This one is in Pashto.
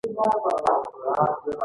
حمزه بابا د خپل وخت اتل و.